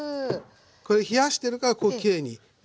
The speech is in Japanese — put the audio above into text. これは冷やしてるからこうきれいになるんですね。